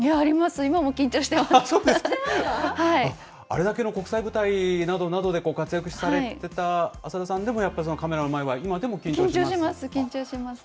あれだけの国際舞台などなどで、活躍されてた浅田さんでも、やっぱりカメラの前では、今でも緊張します？